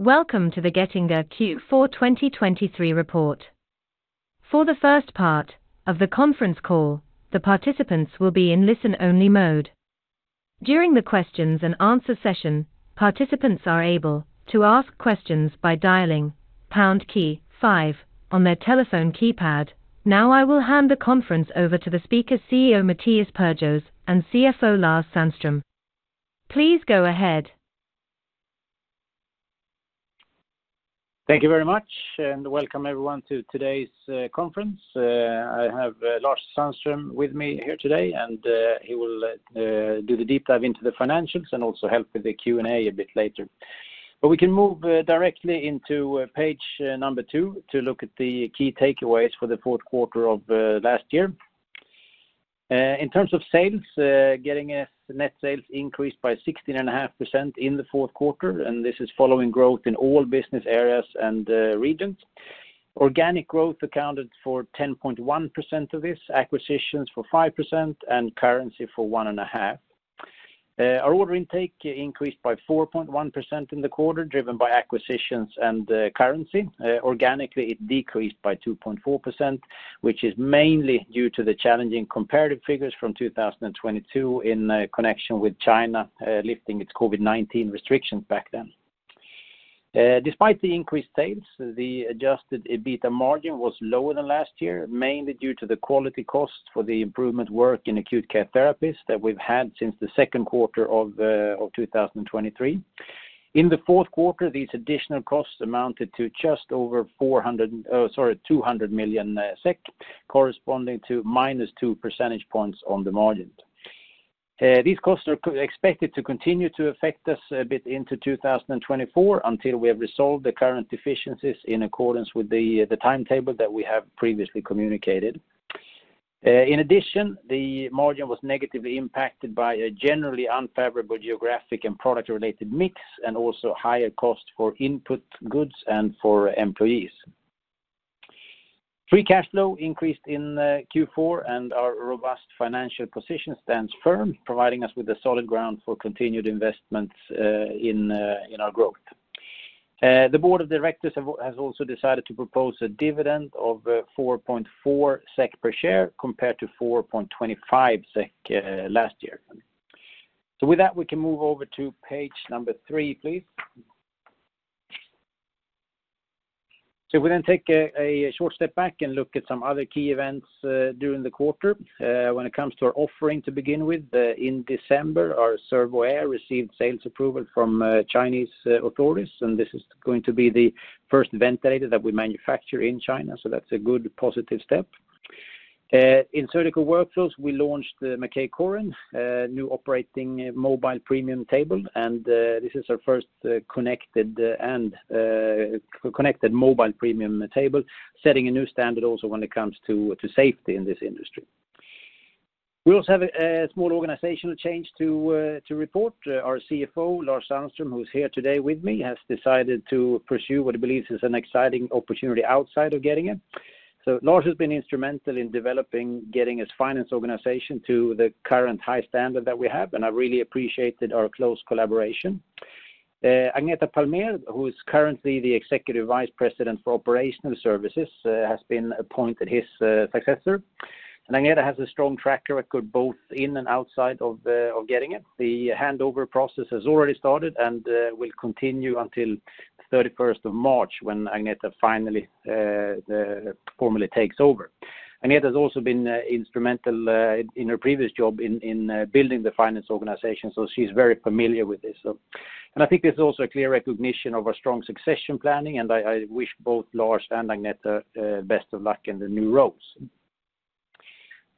Welcome to the Getinge Q4 2023 report. For the first part of the conference call, the participants will be in listen-only mode. During the questions and answer session, participants are able to ask questions by dialing pound key five on their telephone keypad. Now, I will hand the conference over to the speaker, CEO Mattias Perjos, and CFO, Lars Sandström. Please go ahead. Thank you very much, and welcome everyone to today's conference. I have Lars Sandström with me here today, and he will do the deep dive into the financials and also help with the Q&A a bit later. But we can move directly into page two to look at the key takeaways for the fourth quarter of last year. In terms of sales, Getinge net sales increased by 16.5% in the fourth quarter, and this is following growth in all business areas and regions. Organic growth accounted for 10.1% of this, acquisitions for 5%, and currency for 1.5%. Our order intake increased by 4.1% in the quarter, driven by acquisitions and currency. Organically, it decreased by 2.4%, which is mainly due to the challenging comparative figures from 2022 in connection with China lifting its COVID-19 restrictions back then. Despite the increased sales, the adjusted EBITDA margin was lower than last year, mainly due to the quality cost for the improvement work in Acute Care Therapies that we've had since the second quarter of 2023. In the fourth quarter, these additional costs amounted to just over 200 million SEK, corresponding to minus two percentage points on the margin. These costs are expected to continue to affect us a bit into 2024 until we have resolved the current deficiencies in accordance with the timetable that we have previously communicated. In addition, the margin was negatively impacted by a generally unfavorable geographic and product-related mix, and also higher costs for input goods and for employees. Free cash flow increased in Q4, and our robust financial position stands firm, providing us with a solid ground for continued investments in our growth. The board of directors has also decided to propose a dividend of 4.4 SEK per share, compared to 4.25 SEK last year. With that, we can move over to page number three, please. We then take a short step back and look at some other key events during the quarter. When it comes to our offering, to begin with, in December, our Servo-air received sales approval from Chinese authorities, and this is going to be the first ventilator that we manufacture in China, so that's a good positive step. In Surgical Workflows, we launched the Maquet Corin, a new operating mobile premium table, and this is our first connected mobile premium table, setting a new standard also when it comes to safety in this industry. We also have a small organizational change to report. Our CFO, Lars Sandström, who's here today with me, has decided to pursue what he believes is an exciting opportunity outside of Getinge. So Lars has been instrumental in developing Getinge's finance organization to the current high standard that we have, and I really appreciated our close collaboration. Agneta Palmér, who is currently the Executive Vice President for Operational Services, has been appointed his successor. Agneta has a strong track record, both in and outside of Getinge. The handover process has already started and will continue until thirty-first of March, when Agneta finally formally takes over. Agneta has also been instrumental in her previous job in building the finance organization, so she's very familiar with this. So... And I think there's also a clear recognition of our strong succession planning, and I wish both Lars and Agneta best of luck in the new roles.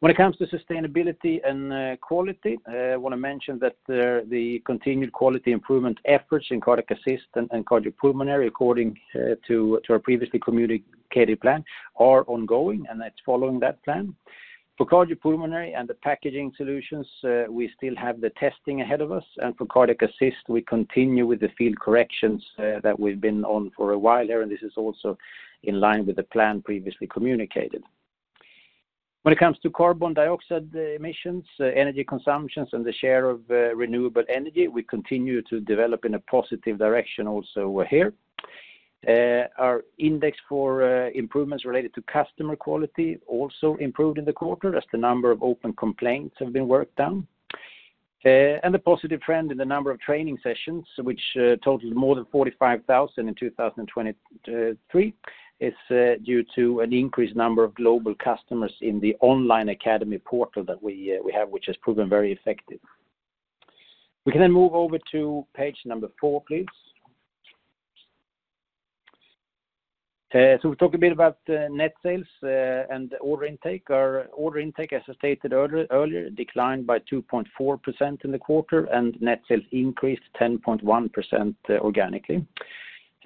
When it comes to sustainability and quality, I want to mention that the continued quality improvement efforts in Cardiac Assist and Cardiopulmonary, according to our previously communicated plan, are ongoing, and that's following that plan. For Cardiopulmonary and the packaging solutions, we still have the testing ahead of us, and for Cardiac Assist, we continue with the field corrections that we've been on for a while here, and this is also in line with the plan previously communicated. When it comes to carbon dioxide emissions, energy consumptions, and the share of renewable energy, we continue to develop in a positive direction also here. Our index for improvements related to customer quality also improved in the quarter, as the number of open complaints have been worked down. And the positive trend in the number of training sessions, which totals more than 45,000 in 2023, is due to an increased number of global customers in the online academy portal that we have, which has proven very effective. We can then move over to page four, please. So we'll talk a bit about net sales and order intake. Our order intake, as I stated earlier, declined by 2.4% in the quarter, and net sales increased 10.1% organically.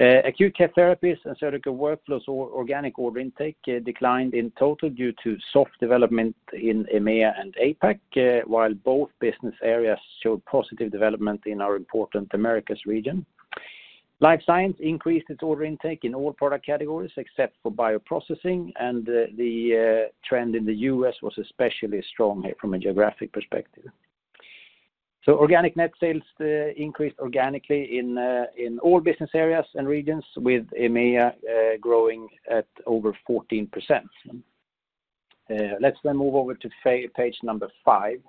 Acute Care Therapies and Surgical Workflows' organic order intake declined in total due to soft development in EMEA and APAC, while both business areas showed positive development in our important Americas region. Life Science increased its order intake in all product categories, except for Bioprocessing, and the trend in the U.S. was especially strong from a geographic perspective. Organic net sales increased organically in all business areas and regions, with EMEA growing at over 14%. Let's then move over to page number five.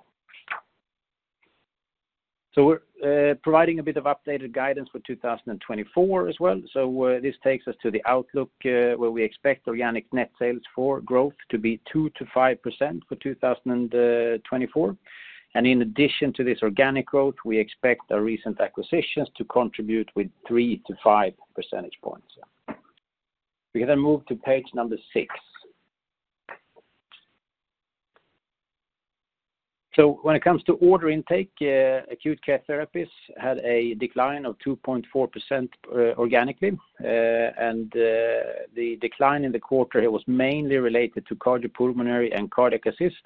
We're providing a bit of updated guidance for 2024 as well. This takes us to the outlook, where we expect organic net sales for growth to be 2%-5% for 2024. And in addition to this organic growth, we expect our recent acquisitions to contribute with 3-5 percentage points. We can then move to page number six. So when it comes to order intake, Acute Care Therapies had a decline of 2.4%, organically. The decline in the quarter, it was mainly related to Cardiopulmonary and Cardiac Assist.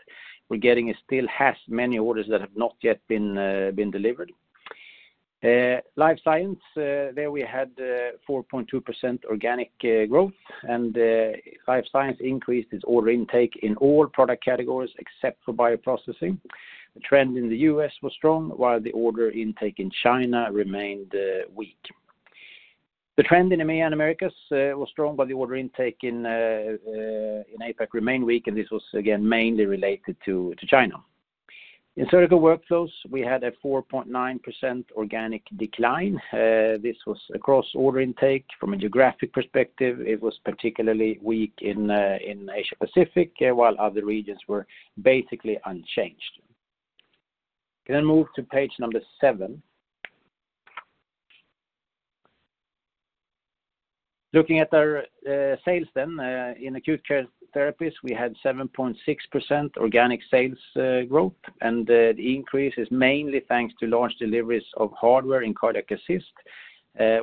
Getinge still has many orders that have not yet been delivered. Life Science, there we had 4.2% organic growth, and Life Science increased its order intake in all product categories except for Bioprocessing. The trend in the U.S. was strong, while the order intake in China remained weak. The trend in EMEA and Americas was strong, but the order intake in APAC remained weak, and this was again mainly related to China. In Surgical Workflows, we had a 4.9% organic decline. This was across order intake. From a geographic perspective, it was particularly weak in Asia Pacific, while other regions were basically unchanged. Can I move to page number seven? Looking at our sales then in Acute Care Therapies, we had 7.6% organic sales growth, and the increase is mainly thanks to large deliveries of hardware in Cardiac Assist,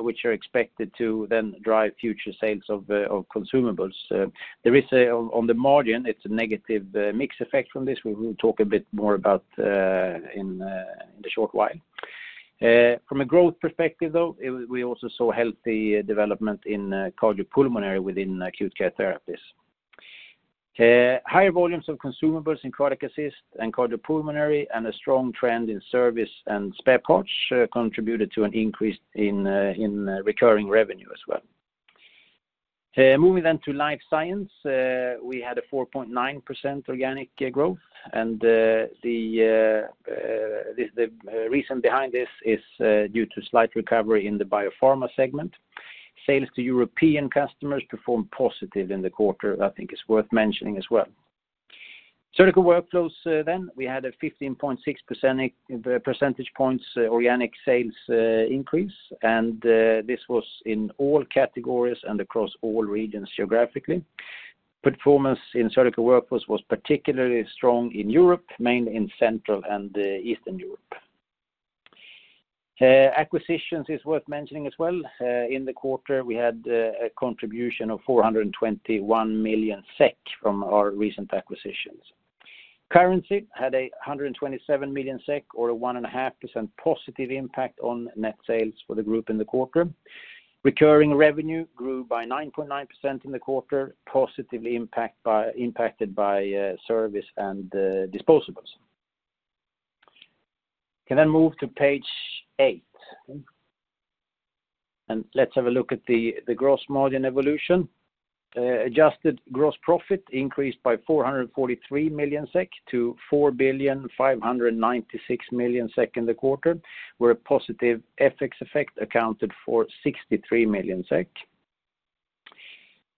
which are expected to then drive future sales of consumables. There is, on the margin, it's a negative mix effect from this. We will talk a bit more about in a short while. From a growth perspective, though, it was. We also saw healthy development in Cardiopulmonary within Acute Care Therapies. Higher volumes of consumables in Cardiac Assist and Cardiopulmonary, and a strong trend in service and spare parts, contributed to an increase in recurring revenue as well. Moving then to Life Science, we had a 4.9% organic growth, and the reason behind this is due to slight recovery in the biopharma segment. Sales to European customers performed positive in the quarter, I think is worth mentioning as well. Surgical Workflows, then, we had a 15.6 percentage points organic sales increase, and this was in all categories and across all regions geographically. Performance in Surgical Workflows was particularly strong in Europe, mainly in Central and Eastern Europe. Acquisitions is worth mentioning as well. In the quarter, we had a contribution of 421 million SEK from our recent acquisitions. Currency had 127 million SEK, or a 1.5% positive impact on net sales for the group in the quarter. Recurring revenue grew by 9.9% in the quarter, positively impacted by service and disposables. Can I move to page eight? And let's have a look at the gross margin evolution. Adjusted gross profit increased by 443 million SEK to 4,596 million SEK in the quarter, where a positive FX effect accounted for 63 million SEK.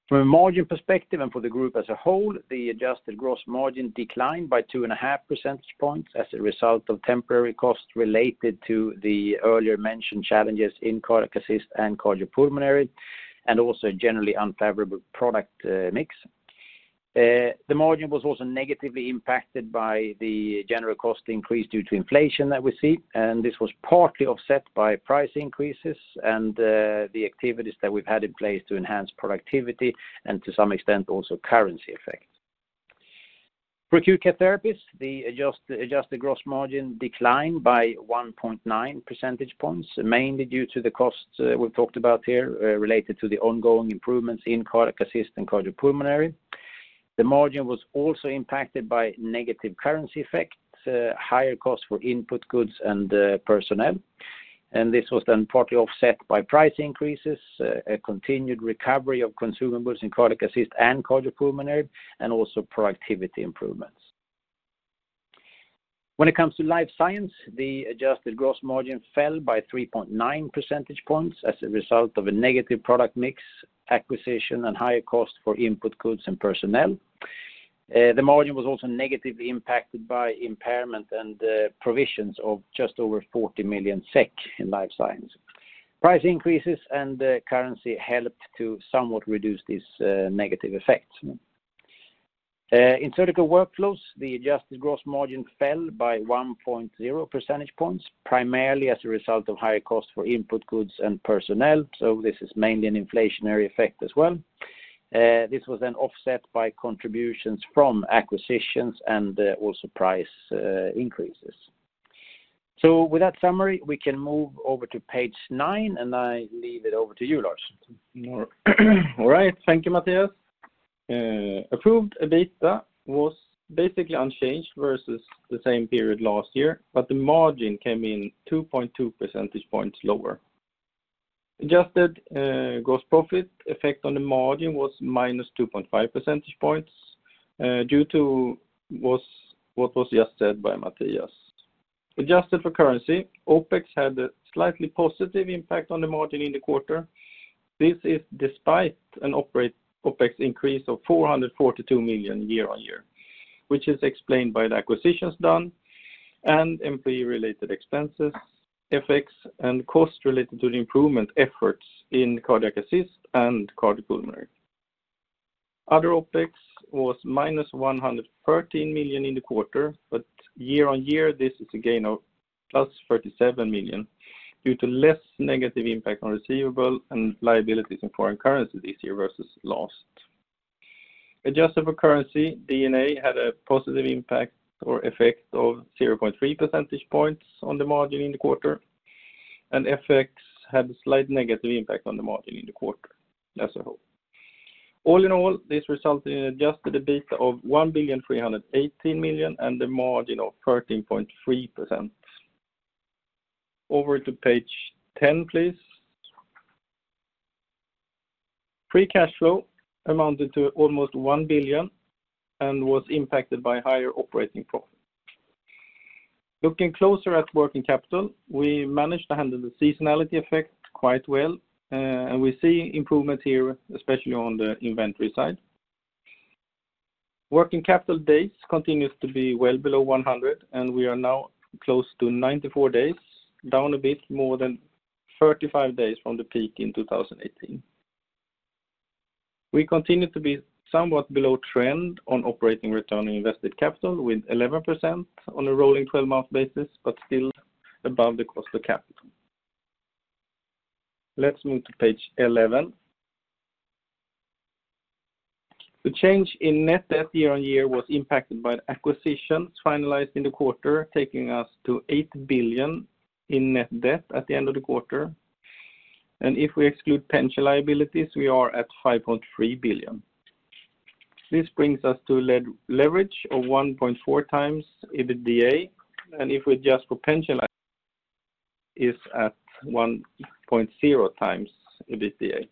From a margin perspective and for the group as a whole, the adjusted gross margin declined by 2.5 percentage points as a result of temporary costs related to the earlier mentioned challenges in Cardiac Assist and Cardiopulmonary, and also generally unfavorable product mix. The margin was also negatively impacted by the general cost increase due to inflation that we see, and this was partly offset by price increases and the activities that we've had in place to enhance productivity, and to some extent, also currency effects. For Acute Care Therapies, the adjusted gross margin declined by 1.9 percentage points, mainly due to the costs we've talked about here related to the ongoing improvements in Cardiac Assist and Cardiopulmonary. The margin was also impacted by negative currency effects, higher costs for input goods and personnel. This was then partly offset by price increases, a continued recovery of consumables in Cardiac Assist and Cardiopulmonary, and also productivity improvements. When it comes to Life Science, the adjusted gross margin fell by 3.9 percentage points as a result of a negative product mix, acquisition, and higher cost for input goods and personnel. The margin was also negatively impacted by impairment and provisions of just over 40 million SEK in Life Science. Price increases and currency helped to somewhat reduce these negative effects. In Surgical Workflows, the adjusted gross margin fell by 1.0 percentage points, primarily as a result of higher costs for input goods and personnel, so this is mainly an inflationary effect as well. This was then offset by contributions from acquisitions and also price increases. With that summary, we can move over to page nine, and I leave it over to you, Lars. All right. Thank you, Mattias. Adjusted EBITDA was basically unchanged versus the same period last year, but the margin came in 2.2 percentage points lower. Adjusted gross profit effect on the margin was -2.5 percentage points, due to what was just said by Mattias. Adjusted for currency, OpEx had a slightly positive impact on the margin in the quarter. This is despite an operating OpEx increase of 442 million year-on-year, which is explained by the acquisitions done and employee related expenses, effects, and costs related to the improvement efforts in Cardiac Assist and Cardiopulmonary. Other OpEx was -113 million in the quarter, but year-on-year, this is a gain of +37 million, due to less negative impact on receivables and liabilities in foreign currency this year versus last. Adjusted for currency, D&A had a positive impact or effect of 0.3 percentage points on the margin in the quarter, and FX had a slight negative impact on the margin in the quarter as a whole. All in all, this resulted in adjusted EBITDA of 1,318 million, and a margin of 13.3%. Over to page ten, please. Free cash flow amounted to almost 1 billion and was impacted by higher operating profit. Looking closer at working capital, we managed to handle the seasonality effect quite well, and we see improvement here, especially on the inventory side. Working capital days continues to be well below 100, and we are now close to 94 days, down a bit, more than 35 days from the peak in 2018. We continue to be somewhat below trend on operating return on invested capital, with 11% on a rolling 12-month basis, but still above the cost of capital. Let's move to page 11. The change in net debt year-on-year was impacted by the acquisitions finalized in the quarter, taking us to 8 billion in net debt at the end of the quarter. If we exclude pension liabilities, we are at 5.3 billion. This brings us to leverage of 1.4x EBITDA, and if we adjust for pension liabilities, it's at 1.0 times EBITDA.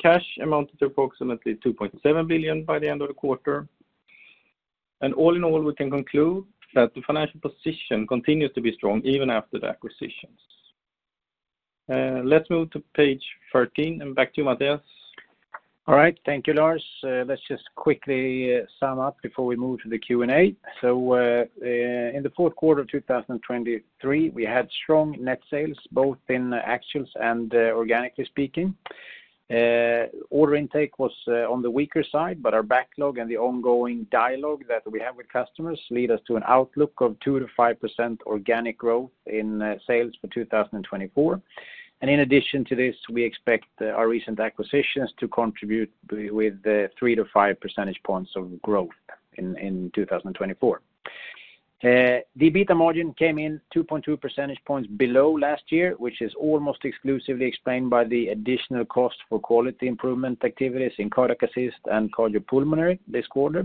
Cash amounted to approximately 2.7 billion by the end of the quarter. All in all, we can conclude that the financial position continues to be strong, even after the acquisitions. Let's move to page 13, and back to you, Mattias. All right, thank you, Lars. Let's just quickly sum up before we move to the Q&A. So, in the fourth quarter of 2023, we had strong net sales, both in actions and organically speaking. Order intake was on the weaker side, but our backlog and the ongoing dialogue that we have with customers lead us to an outlook of 2%-5% organic growth in sales for 2024. And in addition to this, we expect our recent acquisitions to contribute with 3-5 percentage points of growth in 2024. The EBITDA margin came in 2.2 percentage points below last year, which is almost exclusively explained by the additional cost for quality improvement activities in Cardiac Assist and Cardiopulmonary this quarter.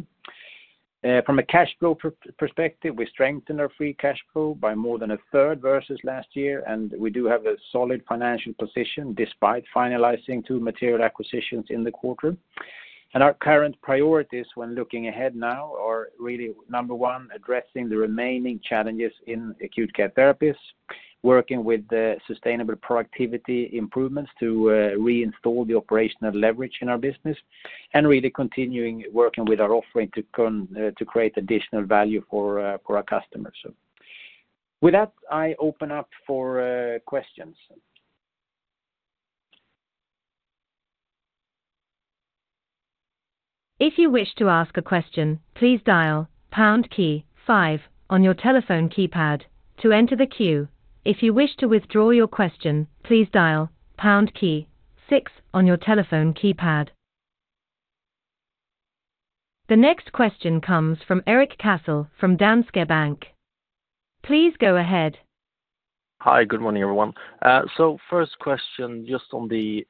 From a cash flow perspective, we strengthened our free cash flow by more than a third versus last year, and we do have a solid financial position, despite finalizing two material acquisitions in the quarter. Our current priorities when looking ahead now are really number one, addressing the remaining challenges in Acute Care Therapies, working with the sustainable productivity improvements to reinstall the operational leverage in our business, and really continuing working with our offering to create additional value for our customers. With that, I open up for questions. If you wish to ask a question, please dial pound key five on your telephone keypad to enter the queue. If you wish to withdraw your question, please dial pound key six on your telephone keypad. The next question comes from Erik Cassel from ABG Sundal Collier. Please go ahead. Hi, good morning, everyone. First question, just on the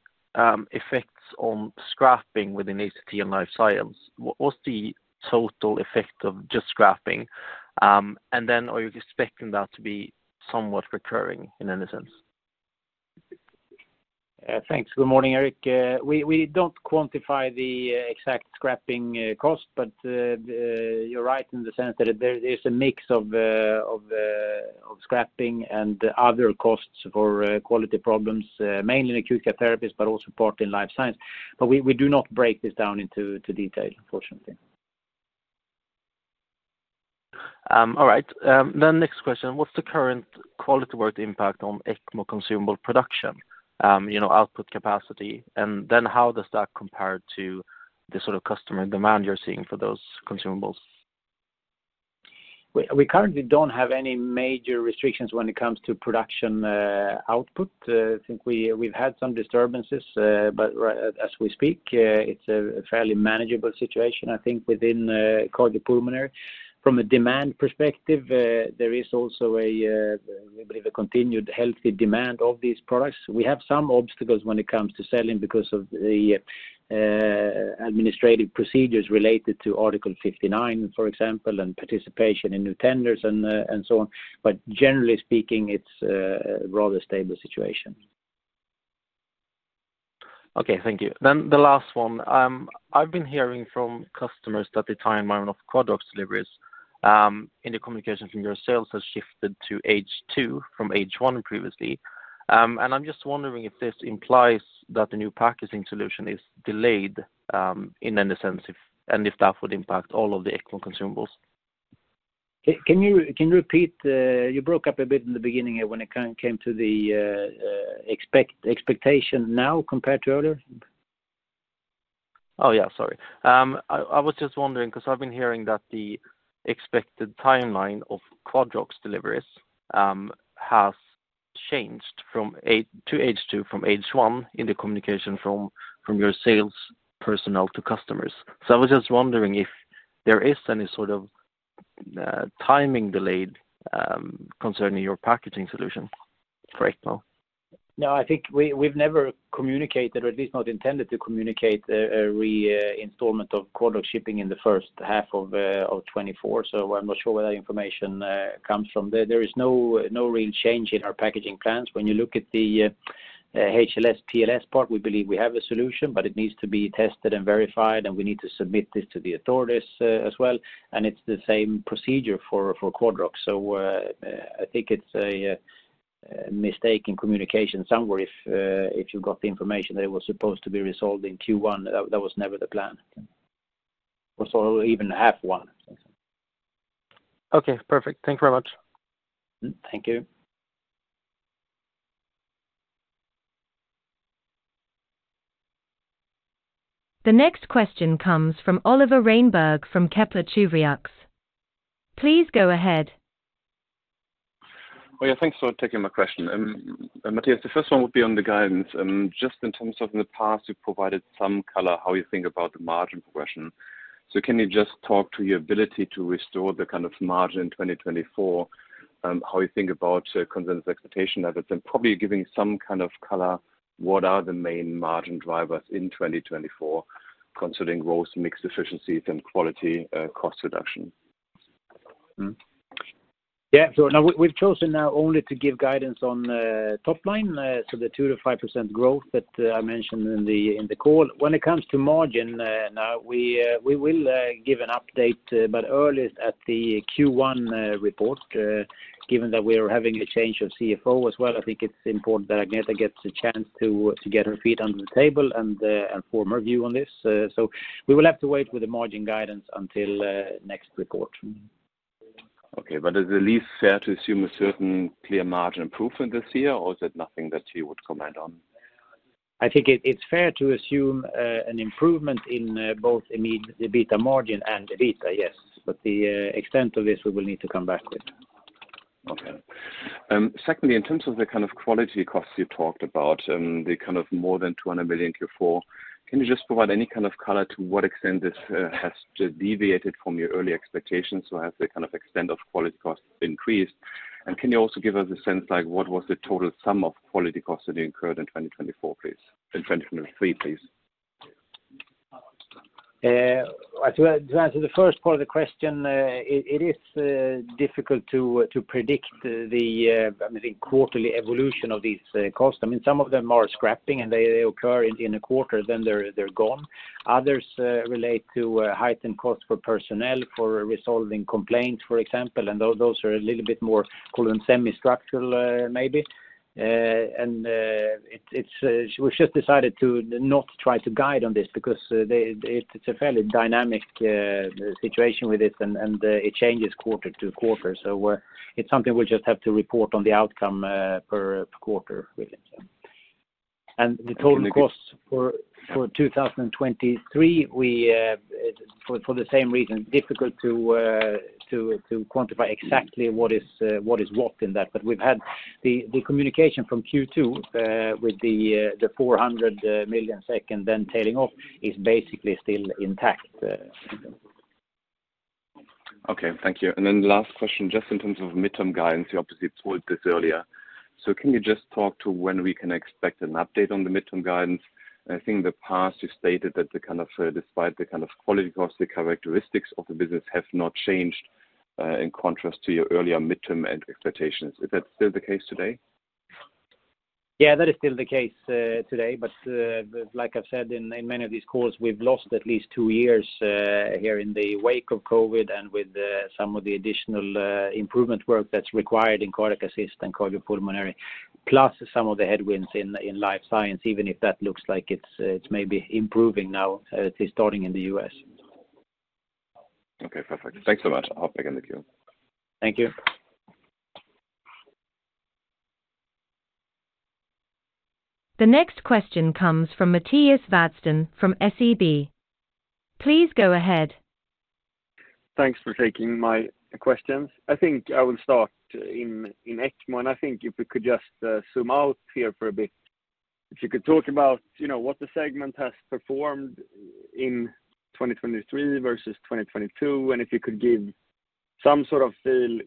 effects on scrapping within ACT and Life Science. What was the total effect of just scrapping? And then are you expecting that to be somewhat recurring in any sense? Thanks. Good morning, Eric. We don't quantify the exact scrapping cost, but you're right in the sense that there is a mix of scrapping and other costs for quality problems, mainly in Acute Care Therapies, but also part in Life Science. But we do not break this down into detail, unfortunately. All right. Then next question. What's the current quality-related impact on ECMO consumable production? You know, output capacity, and then how does that compare to the sort of customer demand you're seeing for those consumables? We currently don't have any major restrictions when it comes to production, output. I think we've had some disturbances, but as we speak, it's a fairly manageable situation, I think, within Cardiopulmonary. From a demand perspective, there is also a we believe, a continued healthy demand of these products. We have some obstacles when it comes to selling because of the administrative procedures related to Article 59, for example, and participation in new tenders and so on. But generally speaking, it's a rather stable situation. Okay, thank you. Then the last one. I've been hearing from customers that the timeline of Quadrox deliveries, in the communication from your sales has shifted to H2, from H1 previously. And I'm just wondering if this implies that the new packaging solution is delayed, in any sense, and if that would impact all of the ECLS consumables. Can you repeat? You broke up a bit in the beginning here when it came to the expectation now compared to earlier? Oh, yeah, sorry. I was just wondering, because I've been hearing that the expected timeline of Quadrox deliveries has changed from H1 to H2 in the communication from your sales personnel to customers. So I was just wondering if there is any sort of timing delay concerning your packaging solution right now? No, I think we've never communicated, or at least not intended to communicate, a reinstatement of Quadrox shipping in the first half of 2024. So I'm not sure where that information comes from. There is no real change in our packaging plans. When you look at the HLS, PLS part, we believe we have a solution, but it needs to be tested and verified, and we need to submit this to the authorities as well, and it's the same procedure for Quadrox. So I think it's a mistake in communication somewhere if you got the information that it was supposed to be resolved in Q1, that was never the plan. Or so even half one. Okay, perfect. Thank you very much. Thank you. The next question comes from Oliver Reinberg from Kepler Cheuvreux. Please go ahead. Oh, yeah. Thanks for taking my question. Mattias, the first one would be on the guidance. Just in terms of in the past, you provided some color, how you think about the margin progression. So can you just talk to your ability to restore the kind of margin in 2024, how you think about consensus expectation levels, and probably giving some kind of color, what are the main margin drivers in 2024, considering growth, mix efficiencies, and quality, cost reduction? Mm-hmm. Yeah. So now we've chosen now only to give guidance on top line, so the 2%-5% growth that I mentioned in the call. When it comes to margin, now we will give an update, but earliest at the Q1 report, given that we are having a change of CFO as well. I think it's important that Agneta gets a chance to get her feet under the table and form her view on this. So we will have to wait with the margin guidance until next report. Okay, but is it at least fair to assume a certain clear margin improvement this year, or is it nothing that you would comment on? I think it's fair to assume an improvement in both EBITDA margin and EBITDA, yes, but the extent of this, we will need to come back with. Okay. Secondly, in terms of the kind of quality costs you talked about, the kind of more than 200 million Q4, can you just provide any kind of color to what extent this has deviated from your early expectations, so as the kind of extent of quality costs increased? And can you also give us a sense, like, what was the total sum of quality costs that you incurred in 2024, please-- in 2023, please? To answer the first part of the question, it is difficult to predict, I mean, the quarterly evolution of these costs. I mean, some of them are scrapping, and they occur in a quarter, then they're gone. Others relate to heightened costs for personnel, for resolving complaints, for example, and those are a little bit more cool and semi-structural, maybe. And, it is, we've just decided to not try to guide on this because, they, it's a fairly dynamic situation with it, and it changes quarter to quarter. So we're, it's something we'll just have to report on the outcome per quarter with it. The total costs for 2023, we, for the same reason, difficult to quantify exactly what is what in that. But we've had the communication from Q2 with the 400 million, then tailing off, is basically still intact. Okay, thank you. And then the last question, just in terms of midterm guidance, you obviously told this earlier. So can you just talk to when we can expect an update on the midterm guidance? I think in the past, you stated that the kind of, despite the kind of quality costs, the characteristics of the business have not changed, in contrast to your earlier midterm and expectations. Is that still the case today? Yeah, that is still the case today, but like I've said in many of these calls, we've lost at least two years here in the wake of COVID and with some of the additional improvement work that's required in Cardiac Assist and Cardiopulmonary, plus some of the headwinds in Life Science, even if that looks like it's maybe improving now, at least starting in the US. Okay, perfect. Thanks so much. I'll hop back in the queue. Thank you. The next question comes from Mattias Vadsten from SEB. Please go ahead. Thanks for taking my questions. I think I will start in ECMO, and I think if we could just zoom out here for a bit-... If you could talk about, you know, what the segment has performed in 2023 versus 2022, and if you could give some sort of feel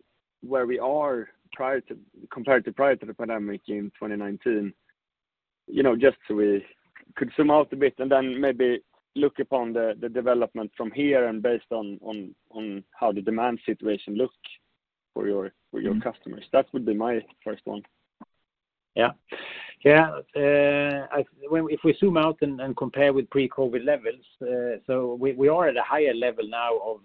where we are prior to, compared to prior to the pandemic in 2019. You know, just so we could zoom out a bit and then maybe look upon the, the development from here and based on, on, on how the demand situation looks for your, for your customers. That would be my first one. Yeah. Yeah, when, if we zoom out and, and compare with pre-COVID levels, so we, we are at a higher level now of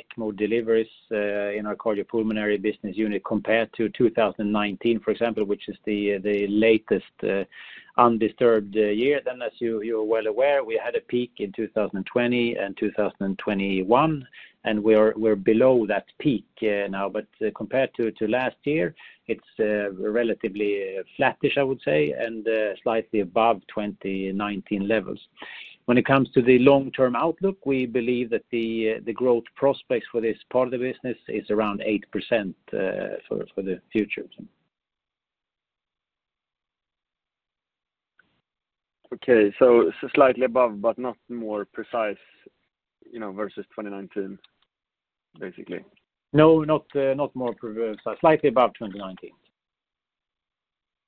ECMO deliveries in our cardiopulmonary business unit compared to 2019, for example, which is the, the latest undisturbed year. Then, as you, you're well aware, we had a peak in 2020 and 2021, and we're below that peak now. But, compared to, to last year, it's relatively flattish, I would say, and slightly above 2019 levels. When it comes to the long-term outlook, we believe that the, the growth prospects for this part of the business is around 8% for, for the future. Okay, so slightly above, but not more precise, you know, versus 2019, basically? No, not more precise. Slightly above 2019.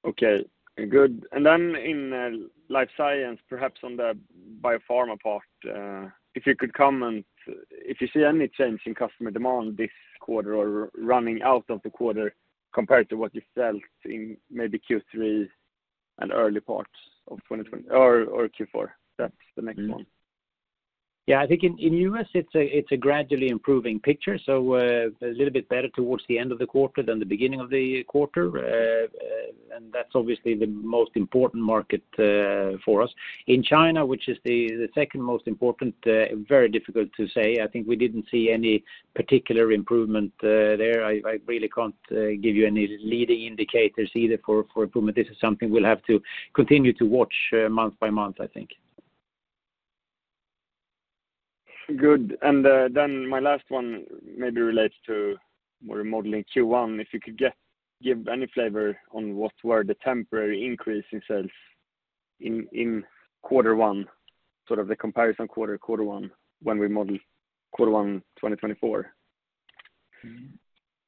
Okay, good. And then in Life Science, perhaps on the biopharma part, if you could comment if you see any change in customer demand this quarter or running out of the quarter compared to what you felt in maybe Q3 and early parts of Q4, that's the next one. Yeah, I think in the U.S., it's a gradually improving picture, so a little bit better towards the end of the quarter than the beginning of the quarter. And that's obviously the most important market for us. In China, which is the second most important, very difficult to say. I really can't give you any leading indicators either for improvement. This is something we'll have to continue to watch month by month, I think. Good. And then my last one maybe relates to more modeling Q1, if you could give any flavor on what were the temporary increase in sales in quarter one, sort of the comparison quarter, quarter one, when we model quarter one, 2024.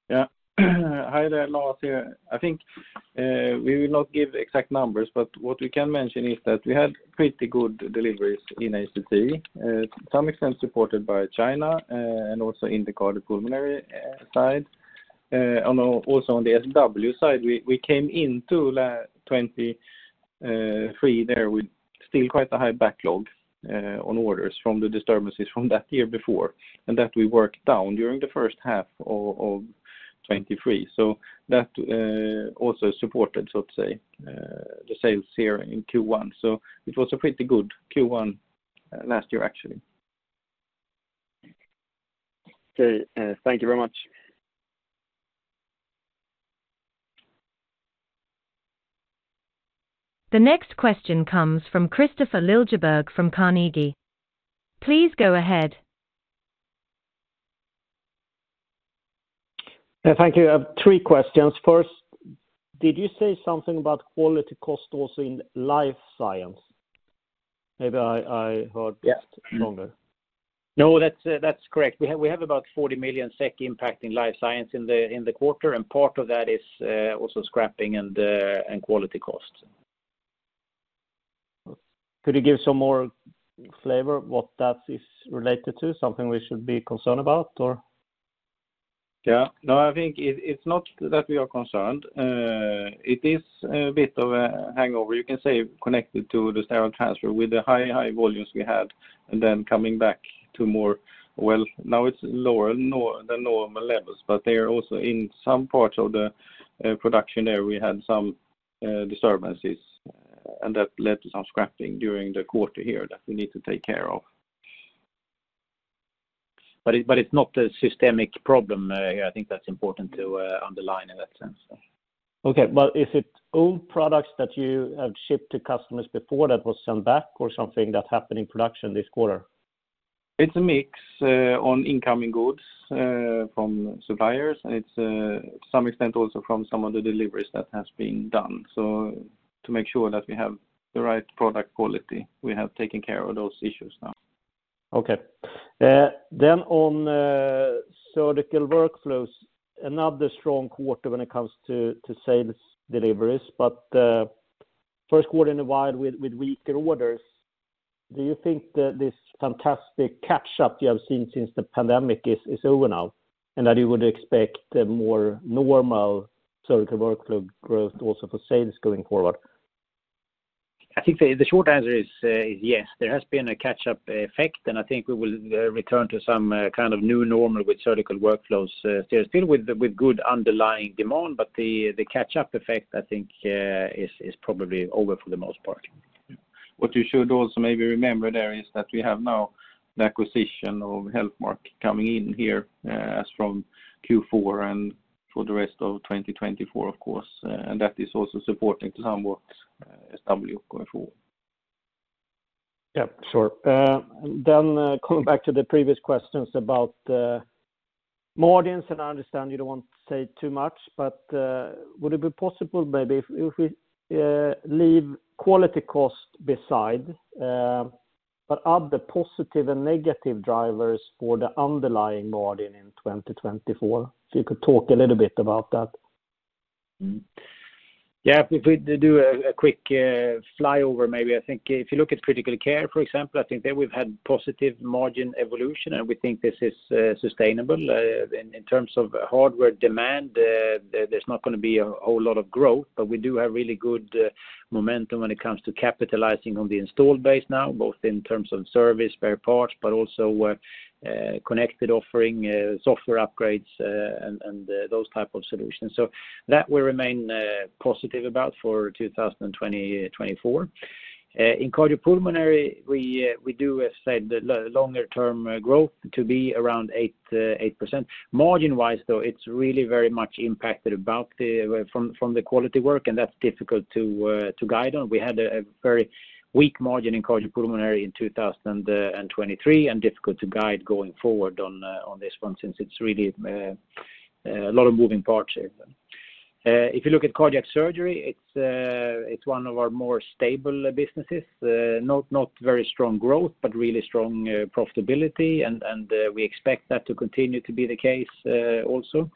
Yeah. Hi there, Lars here. I think, we will not give exact numbers, but what we can mention is that we had pretty good deliveries in ACT, to some extent supported by China, and also in the cardiopulmonary side. On also on the SW side, we came into 2023 there with still quite a high backlog, on orders from the disturbances from that year before, and that we worked down during the first half of 2023. So that also supported, so to say, the sales here in Q1. So it was a pretty good Q1 last year, actually. Okay, thank you very much. The next question comes from Kristofer Liljeberg from Carnegie. Please go ahead. Thank you. I have three questions. First, did you say something about quality cost also in Life Science? Maybe I, I heard- Yeah. Stronger. No, that's correct. We have, we have about 40 million SEK impact in Life Science in the, in the quarter, and part of that is also scrapping and quality costs. Could you give some more flavor what that is related to? Something we should be concerned about, or? Yeah. No, I think it's not that we are concerned. It is a bit of a hangover, you can say, connected to the Sterile Transfer with the high, high volumes we had, and then coming back to more... Well, now it's lower than normal levels, but they are also in some parts of the production area, we had some disturbances, and that led to some scrapping during the quarter here that we need to take care of. But it's not a systemic problem. I think that's important to underline in that sense. Okay. But is it old products that you have shipped to customers before that was sent back or something that happened in production this quarter? It's a mix, on incoming goods, from suppliers, and it's, to some extent, also from some of the deliveries that has been done. So to make sure that we have the right product quality, we have taken care of those issues now. Okay. Then on Surgical Workflows, another strong quarter when it comes to sales deliveries, but first quarter in a while with weaker orders. Do you think that this fantastic catch-up you have seen since the pandemic is over now, and that you would expect a more normal Surgical Workflows growth also for sales going forward? I think the short answer is yes. There has been a catch-up effect, and I think we will return to some kind of new normal with Surgical Workflows. Still with good underlying demand, but the catch-up effect, I think, is probably over for the most part. What you should also maybe remember there is that we have now the acquisition of Healthmark coming in here, as from Q4 and for the rest of 2024, of course, and that is also supporting to some work, SW going forward.... Yep, sure. Then, coming back to the previous questions about the margins, and I understand you don't want to say too much, but, would it be possible maybe if, if we, leave quality cost beside, but are the positive and negative drivers for the underlying margin in 2024? So you could talk a little bit about that. Mm-hmm. Yeah, if we do a quick fly over, maybe I think if you look at critical care, for example, I think there we've had positive margin evolution, and we think this is sustainable. In terms of hardware demand, there's not going to be a whole lot of growth, but we do have really good momentum when it comes to capitalizing on the installed base now, both in terms of service, spare parts, but also connected offering, software upgrades, and those type of solutions. So that will remain positive about for 2024. In cardiopulmonary, we do expect the longer-term growth to be around 8%. Margin-wise, though, it's really very much impacted from the quality work, and that's difficult to guide on. We had a very weak margin in Cardiopulmonary in 2023, and difficult to guide going forward on this one, since it's really a lot of moving parts here. If you look at cardiac surgery, it's one of our more stable businesses. Not very strong growth, but really strong profitability, and we expect that to continue to be the case, also.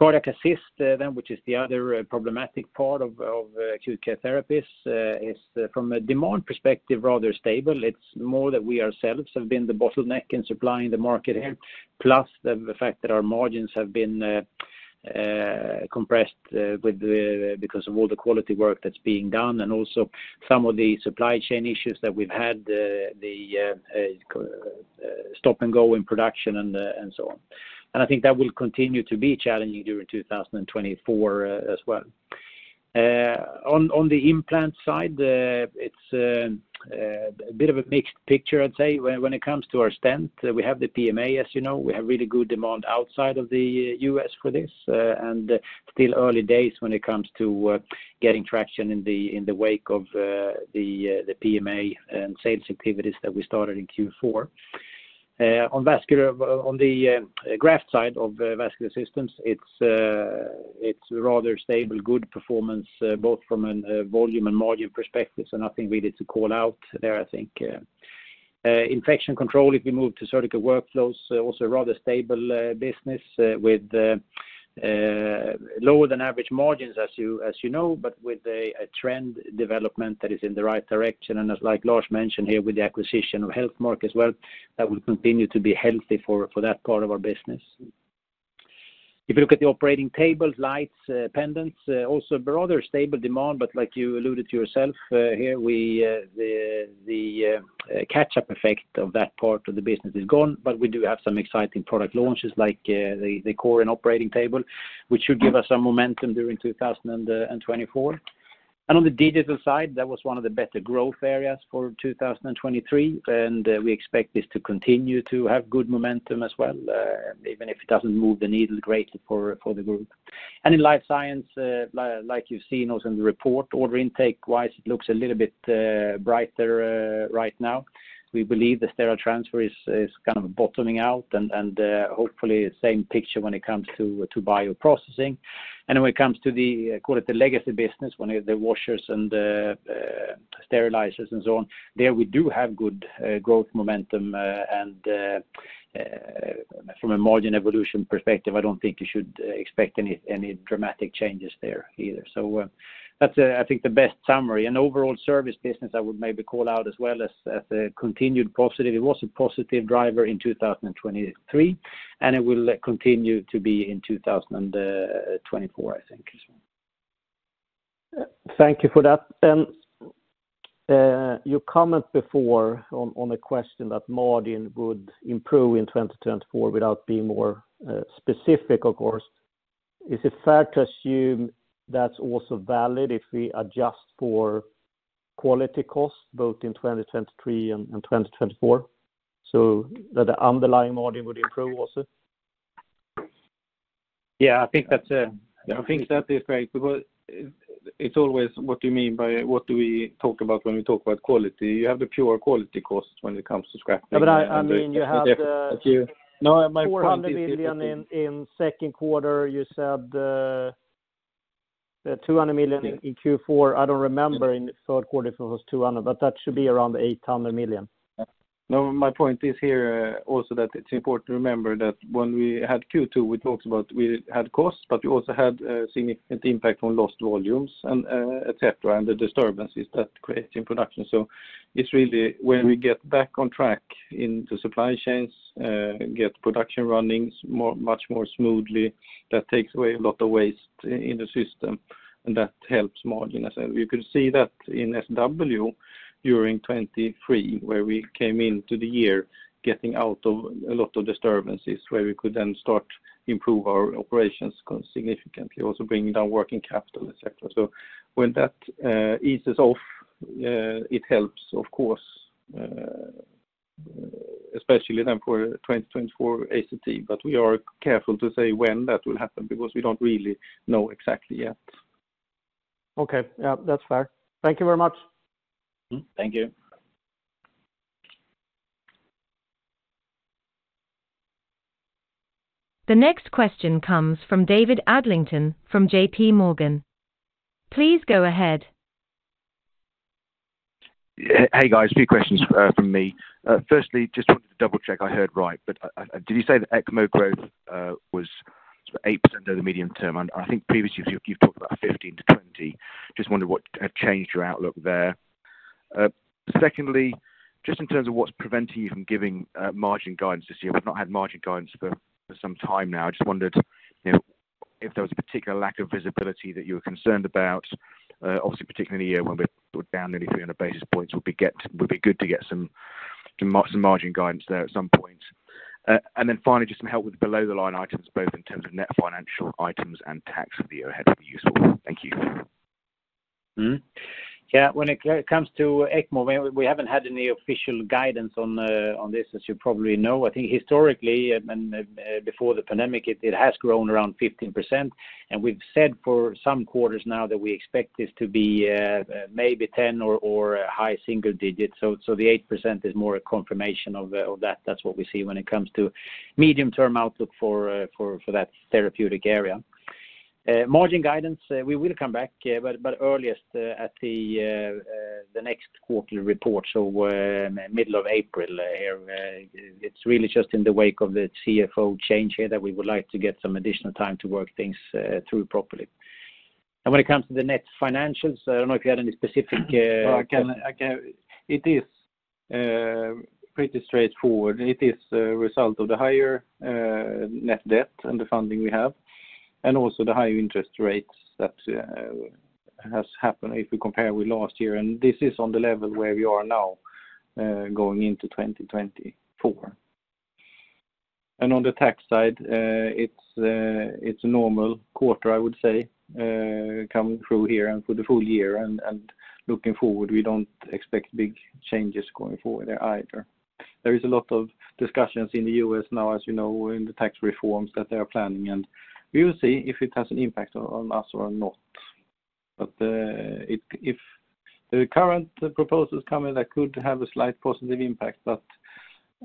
Cardiac Assist, then, which is the other problematic part of Acute Care Therapies, is from a demand perspective, rather stable. It's more that we ourselves have been the bottleneck in supplying the market here, plus the fact that our margins have been compressed because of all the quality work that's being done, and also some of the supply chain issues that we've had, the stop and go in production and so on. I think that will continue to be challenging during 2024, as well. On the implant side, it's a bit of a mixed picture, I'd say. When it comes to our stent, we have the PMA, as you know. We have really good demand outside of the US for this, and still early days when it comes to getting traction in the wake of the PMA and sales activities that we started in Q4. On vascular, on the graft side of vascular systems, it's rather stable, good performance both from a volume and margin perspective, so nothing really to call out there, I think. Infection control, if we move to surgical workflows, also a rather stable business with lower than average margins, as you know, but with a trend development that is in the right direction. And as, like, Lars mentioned here, with the acquisition of Healthmark as well, that will continue to be healthy for that part of our business. If you look at the operating tables, lights, pendants, also rather stable demand, but like you alluded to yourself, here, we, the, the, catch-up effect of that part of the business is gone. But we do have some exciting product launches, like, the, the Corin operating table, which should give us some momentum during 2024. And on the digital side, that was one of the better growth areas for 2023, and, we expect this to continue to have good momentum as well, even if it doesn't move the needle greatly for, for the group. And in Life Science, like, like you've seen also in the report, order intake-wise, it looks a little bit, brighter, right now. We believe the Sterile Transfer is kind of bottoming out, and hopefully, the same picture when it comes to Bioprocessing. When it comes to the, call it the legacy business, when the washers and the sterilizers and so on, there we do have good growth momentum, and from a margin evolution perspective, I don't think you should expect any dramatic changes there either. So, that's, I think, the best summary. Overall service business, I would maybe call out as well as a continued positive. It was a positive driver in 2023, and it will continue to be in 2024, I think. Thank you for that. You comment before on, on the question that margin would improve in 2024 without being more specific, of course. Is it fair to assume that's also valid if we adjust for quality costs, both in 2023 and 2024, so that the underlying margin would improve also? Yeah, I think that's, I think that is right. Because it's always what you mean by what do we talk about when we talk about quality? You have the pure quality costs when it comes to scrap. No, but I mean, you have the- No, my point is- 400 million in second quarter. You said 200 million in Q4. I don't remember in the third quarter if it was 200 million, but that should be around 800 million. No, my point is here, also that it's important to remember that when we had Q2, we talked about we had costs, but we also had a significant impact on lost volumes and, et cetera, and the disturbances that create in production. So it's really where we get back on track in the supply chains, get production running more, much more smoothly. That takes away a lot of waste in the system, and that helps margin. As you can see that in SW during 2023, where we came into the year, getting out of a lot of disturbances, where we could then start improve our operations significantly, also bringing down working capital, et cetera. So when that eases off, it helps, of course,... especially then for 2024 ACT. But we are careful to say when that will happen because we don't really know exactly yet. Okay. Yeah, that's fair. Thank you very much. Mm-hmm. Thank you. The next question comes from David Adlington from J.P. Morgan. Please go ahead. Hey, guys. A few questions from me. Firstly, just wanted to double-check I heard right, but did you say that ECMO growth was 8% of the medium term? And I think previously you, you've talked about 15%-20%. Just wondered what have changed your outlook there. Secondly, just in terms of what's preventing you from giving margin guidance this year. We've not had margin guidance for some time now. I just wondered, you know, if there was a particular lack of visibility that you were concerned about, obviously, particularly in a year when we're down nearly 300 basis points, would be good to get some margin guidance there at some point. And then finally, just some help with below-the-line items, both in terms of net financial items and tax for the year ahead would be useful. Thank you. Mm-hmm. Yeah, when it comes to ECMO, we haven't had any official guidance on this, as you probably know. I think historically, before the pandemic, it has grown around 15%, and we've said for some quarters now that we expect this to be maybe 10% or high single digits. So the 8% is more a confirmation of that. That's what we see when it comes to medium-term outlook for that therapeutic area. Margin guidance, we will come back, but earliest at the next quarterly report, so middle of April. It's really just in the wake of the CFO change here that we would like to get some additional time to work things through properly. And when it comes to the net financials, I don't know if you had any specific. It is pretty straightforward. It is a result of the higher net debt and the funding we have, and also the high interest rates that has happened if we compare with last year. And this is on the level where we are now going into 2024. And on the tax side, it's a normal quarter, I would say, coming through here and for the full year and looking forward, we don't expect big changes going forward there either. There is a lot of discussions in the U.S. now, as you know, in the tax reforms that they are planning, and we will see if it has an impact on us or not. But, if the current proposals come in, that could have a slight positive impact, but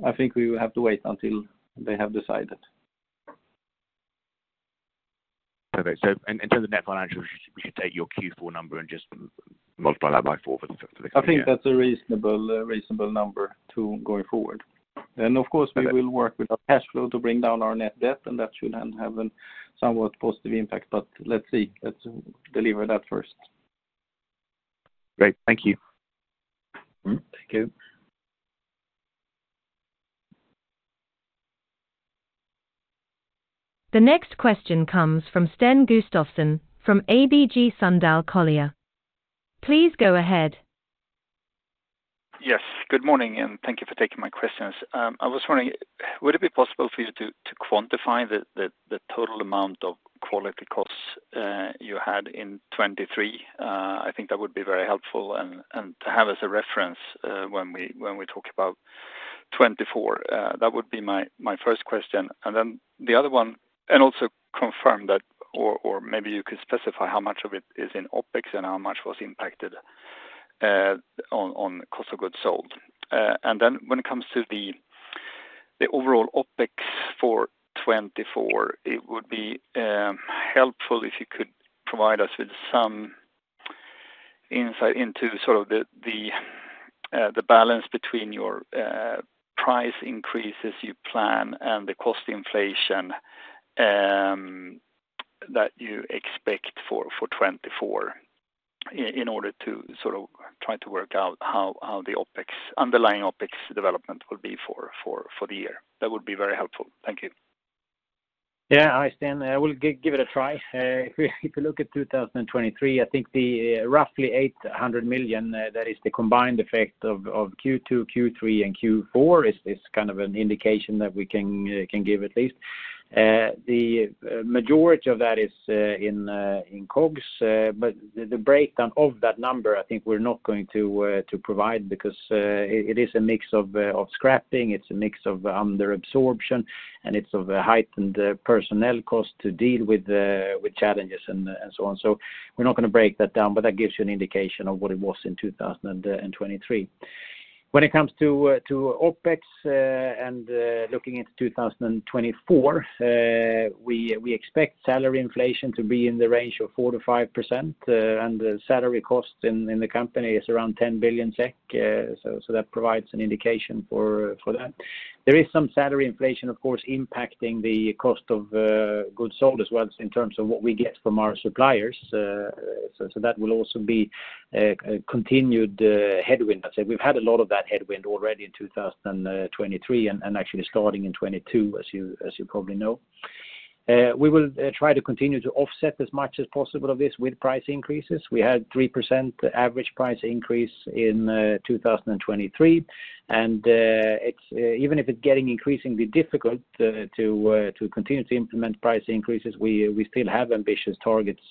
I think we will have to wait until they have decided. Okay. So in terms of net financials, we should take your Q4 number and just multiply that by four for the next year. I think that's a reasonable, reasonable number to going forward. And of course, we will work with our cash flow to bring down our net debt, and that should then have a somewhat positive impact, but let's see. Let's deliver that first. Great. Thank you. Mm-hmm. Thank you. The next question comes from Sten Gustafsson from ABG Sundal Collier. Please go ahead. Yes, good morning, and thank you for taking my questions. I was wondering, would it be possible for you to quantify the total amount of quality costs you had in 2023? I think that would be very helpful and to have as a reference when we talk about 2024. That would be my first question. And then the other one and also confirm that, or maybe you could specify how much of it is in OpEx and how much was impacted on cost of goods sold. And then when it comes to the overall OpEx for 2024, it would be helpful if you could provide us with some insight into sort of the balance between your price increases you plan and the cost inflation that you expect for 2024, in order to sort of try to work out how the OpEx, underlying OpEx development will be for the year. That would be very helpful. Thank you. Yeah. Hi, Sten. I will give it a try. If you look at 2023, I think the roughly 800 million, that is the combined effect of Q2, Q3, and Q4, is kind of an indication that we can give at least. The majority of that is in COGS, but the breakdown of that number, I think we're not going to provide because it is a mix of scrapping, it's a mix of under absorption, and it's of a heightened personnel cost to deal with the challenges and so on. So we're not going to break that down, but that gives you an indication of what it was in 2023. When it comes to OpEx and looking into 2024, we expect salary inflation to be in the range of 4%-5%, and the salary cost in the company is around 10 billion SEK, so that provides an indication for that. There is some salary inflation, of course, impacting the cost of goods sold as well as in terms of what we get from our suppliers, so that will also be a continued headwind. I say we've had a lot of that headwind already in 2023 and actually starting in 2022, as you probably know. We will try to continue to offset as much as possible of this with price increases. We had 3% average price increase in 2023, and even if it's getting increasingly difficult to continue to implement price increases, we still have ambitious targets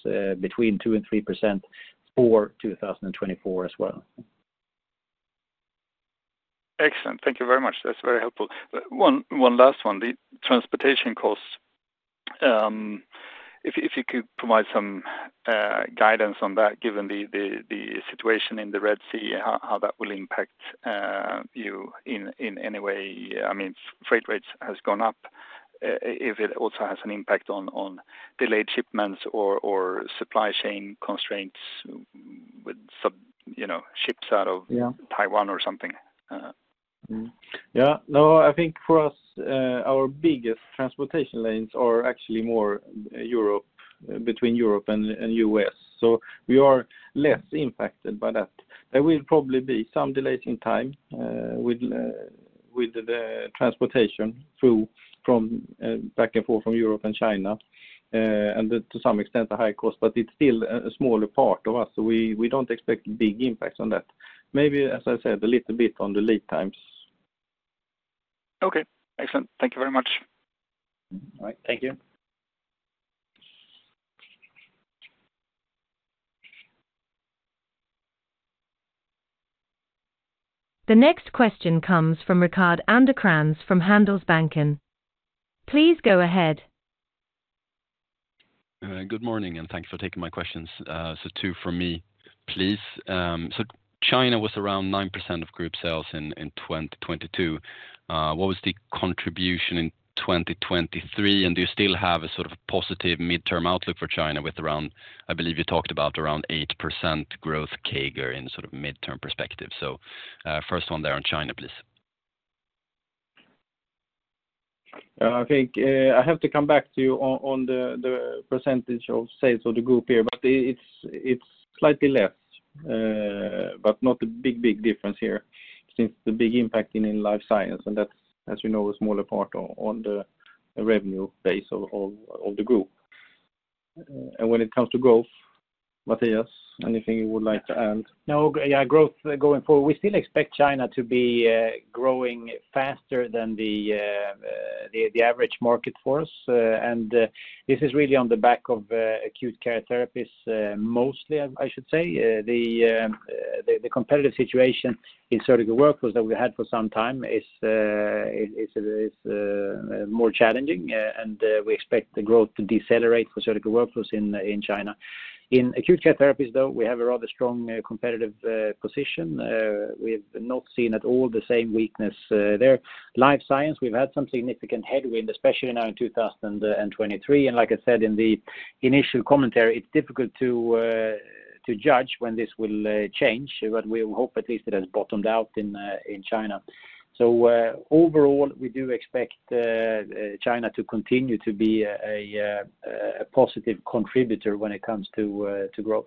between 2% and 3% for 2024 as well.... Excellent. Thank you very much. That's very helpful. But one last one, the transportation costs. If you could provide some guidance on that, given the situation in the Red Sea, how that will impact you in any way? I mean, freight rates has gone up, if it also has an impact on delayed shipments or supply chain constraints with some, you know, ships out of- Yeah. Taiwan or something. Mm-hmm. Yeah. No, I think for us, our biggest transportation lanes are actually more Europe, between Europe and US. So we are less impacted by that. There will probably be some delays in time, with the transportation through, from back and forth from Europe and China, and to some extent, the high cost, but it's still a smaller part of us, so we don't expect big impacts on that. Maybe, as I said, a little bit on the lead times. Okay, excellent. Thank you very much. All right. Thank you. The next question comes from Rickard Anderkrans from Handelsbanken. Please go ahead. Good morning, and thanks for taking my questions. Two from me, please. China was around 9% of group sales in 2022. What was the contribution in 2023? And do you still have a sort of positive midterm outlook for China with around, I believe you talked about around 8% growth CAGR in sort of midterm perspective? First one there on China, please. I think, I have to come back to you on the percentage of sales of the group here, but it's slightly less, but not a big difference here, since the big impact in Life Science, and that's, as you know, a smaller part on the revenue base of the group. And when it comes to growth, Mattias, anything you would like to add? No, yeah, growth going forward. We still expect China to be growing faster than the average market for us. And this is really on the back of Acute Care Therapies, mostly, I should say. The competitive situation in Surgical Workflows that we had for some time is more challenging, and we expect the growth to decelerate for Surgical Workflows in China. In Acute Care Therapies, though, we have a rather strong competitive position. We've not seen at all the same weakness there. Life Science, we've had some significant headwind, especially now in 2023. And like I said in the initial commentary, it's difficult to judge when this will change, but we hope at least it has bottomed out in China. So, overall, we do expect China to continue to be a positive contributor when it comes to growth.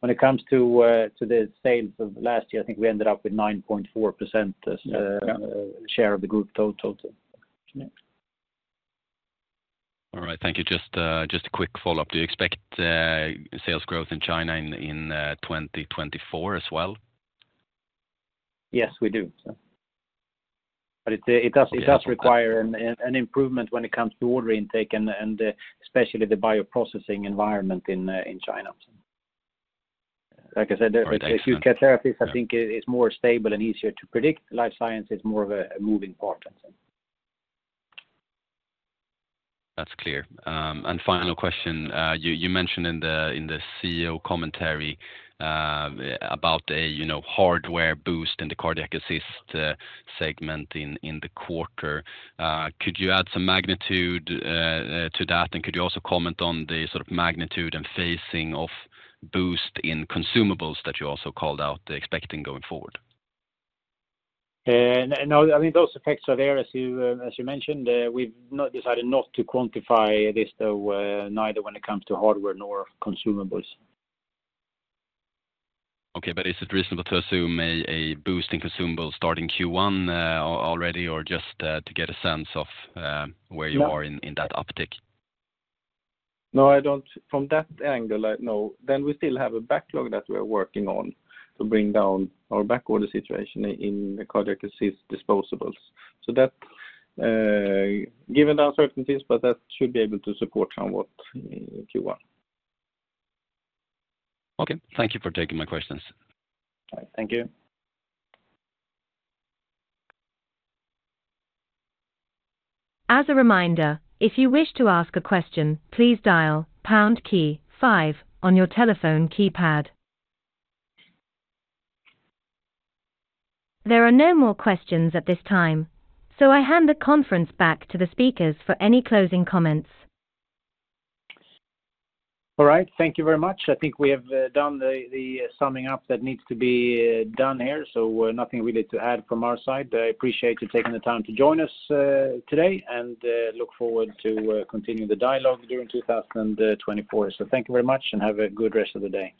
When it comes to the sales of last year, I think we ended up with 9.4% as, Yeah - share of the group total. All right, thank you. Just, just a quick follow-up. Do you expect sales growth in China in 2024 as well? Yes, we do. But it does require an improvement when it comes to order intake and especially the Bioprocessing environment in China. Like I said, the- All right. Acute Care Therapies, I think, is more stable and easier to predict. Life Science is more of a moving part. That's clear. And final question. You mentioned in the CEO commentary about a, you know, hardware boost in the Cardiac Assist segment in the quarter. Could you add some magnitude to that? And could you also comment on the sort of magnitude and phasing of boost in consumables that you also called out, expecting going forward? No, I mean, those effects are there, as you, as you mentioned. We've not decided not to quantify this, though, neither when it comes to hardware nor consumables. Okay, but is it reasonable to assume a boost in consumables starting Q1 already, or just to get a sense of- No... where you are in that uptick? No, I don't. From that angle, I... No. Then we still have a backlog that we're working on to bring down our backorder situation in Cardiac Assist disposables. So that, given the uncertainties, but that should be able to support somewhat in Q1. Okay. Thank you for taking my questions. All right. Thank you. As a reminder, if you wish to ask a question, please dial pound key five on your telephone keypad. There are no more questions at this time, so I hand the conference back to the speakers for any closing comments. All right. Thank you very much. I think we have done the summing up that needs to be done here, so nothing really to add from our side. I appreciate you taking the time to join us today, and look forward to continuing the dialogue during 2024. So thank you very much, and have a good rest of the day.